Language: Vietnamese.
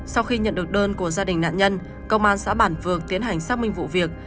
sau khi nhận được đơn của gia đình nạn nhân công an xã bản vược tiến hành xác minh vụ việc